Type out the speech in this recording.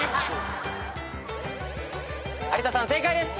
有田さん正解です。